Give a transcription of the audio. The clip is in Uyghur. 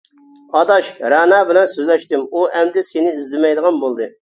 -ئاداش، رەنا بىلەن سۆزلەشتىم، ئۇ ئەمدى سىنى ئىزدىمەيدىغان بولدى.